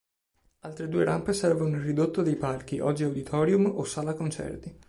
Altre due rampe servono il ridotto dei palchi, oggi "Auditorium" o "Sala Concerti".